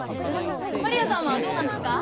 真理亜さんはどうなんですか？